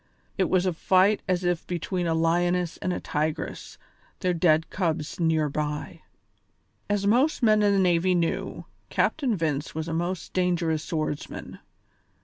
It was a fight as if between a lioness and a tigress, their dead cubs near by. As most men in the navy knew, Captain Vince was a most dangerous swordsman.